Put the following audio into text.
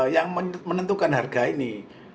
yang menentukan harga ini